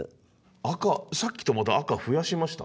赤さっきとまた赤増やしました？